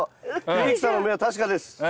秀樹さんの目は確かです。